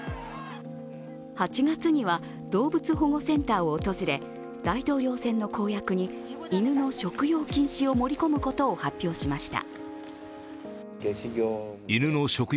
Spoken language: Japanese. ８月には動物保護センターを訪れ、大統領選の公約に犬の食用禁止を盛り込むことを発表しました。